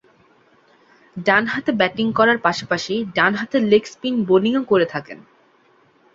ডানহাতে ব্যাটিং করার পাশাপাশি ডানহাতে লেগ স্পিন বোলিং করে থাকেন।